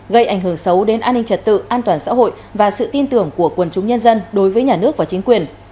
gây ảnh hưởng xấu đến an ninh trật tự an toàn xã hội và sự tin tưởng của quần chúng nhân dân đối với nhà nước và chính quyền